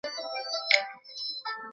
入住当天早餐就随便你吃